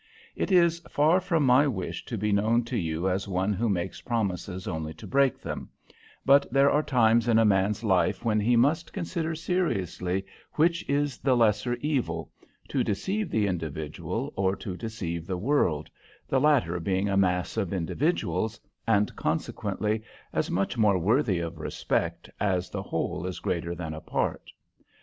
It is far from my wish to be known to you as one who makes promises only to break them, but there are times in a man's life when he must consider seriously which is the lesser evil, to deceive the individual or to deceive the world, the latter being a mass of individuals, and, consequently, as much more worthy of respect as the whole is greater than a part.